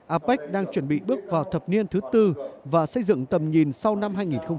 apec đang chuẩn bị bước vào thập niên thứ tư và xây dựng tầm nhìn sau năm hai nghìn hai mươi năm